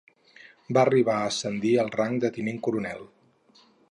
Va arribar a ascendir al rang de Tinent coronel.